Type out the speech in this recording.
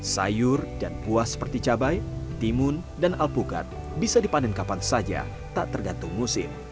sayur dan buah seperti cabai timun dan alpukat bisa dipanen kapan saja tak tergantung musim